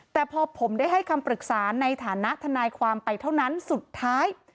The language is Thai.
แต่พอผมได้ให้คำปรึกษาในฐานะทนายความไปเท่านั้นสุดท้าย